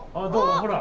ほら！